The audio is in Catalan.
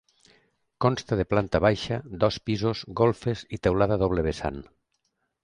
Consta de planta baixa, dos pisos, golfes i teulada a doble vessant.